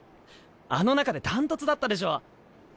あの中で断トツだったでしょ。